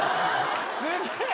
すげえ！